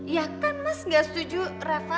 ya kan mas gak setuju rava